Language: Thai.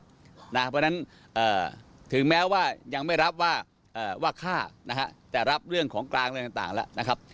เพราะฉะนั้นถึงแม้ว่ายังไม่รับว่าฆ่านะฮะจะรับเรื่องของกลางเรื่องต่างแล้วนะครับ